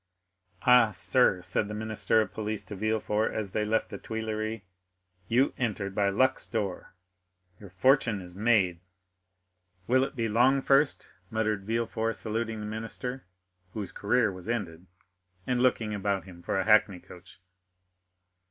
"Ah, sir," said the minister of police to Villefort, as they left the Tuileries, "you entered by luck's door—your fortune is made." "Will it be long first?" muttered Villefort, saluting the minister, whose career was ended, and looking about him for a hackney coach.